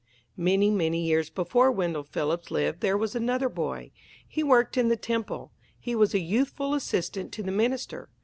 Many, many years before Wendell Phillips lived there was another boy. He worked in the temple. He was a youthful assistant to the minister.